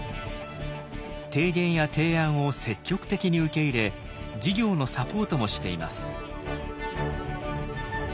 提言や提案を積極的に受け入れ事業のサポートもしています。